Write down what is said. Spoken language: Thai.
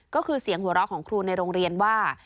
ก็คือเสียงหัวเราะของครูในโรงเรียนว่า